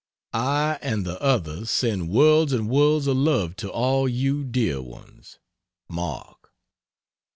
I and the others send worlds and worlds of love to all you dear ones. MARK.